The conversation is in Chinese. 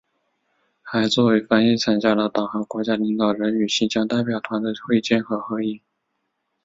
还作为翻译参加了党和国家领导人与新疆代表团的会见和合影。